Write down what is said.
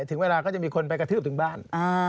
ถึงเวลาก็จะมีคนไปกระทืบถึงบ้าน